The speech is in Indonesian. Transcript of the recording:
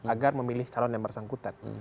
agar memilih calon yang bersangkutan